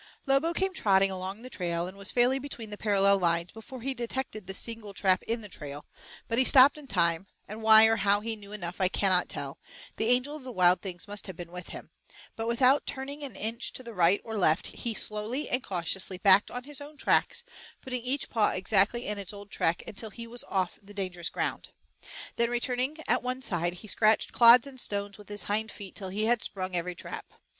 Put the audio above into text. Lobo came trotting along the trail, and was fairly between the parallel lines before he detected the single trap in the trail, but he stopped in time, and why or how he knew enough I cannot tell, the Angel of the wild things must have been with him, but without turning an inch to the right or left, he slowly and cautiously backed on his own tracks, putting each paw exactly in its old track until he was off the dangerous ground. Then returning at one side he scratched clods and stones with his hind feet till he had sprung every trap.